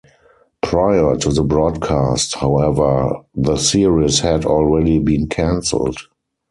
Prior to the broadcast, however, the series had already been cancelled.